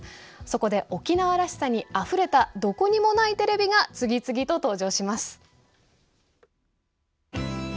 そこで「沖縄らしさ」にあふれた「どこにもないテレビ」が次々と登場します。